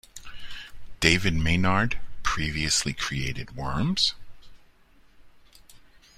David Maynard previously created Worms?